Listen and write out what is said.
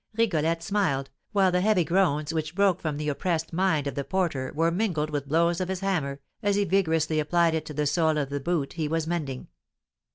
Rigolette smiled, while the heavy groans which broke from the oppressed mind of the porter were mingled with blows of his hammer, as he vigorously applied it to the sole of the boot he was mending.